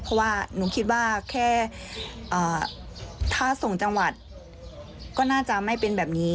เพราะว่าหนูคิดว่าแค่ถ้าส่งจังหวัดก็น่าจะไม่เป็นแบบนี้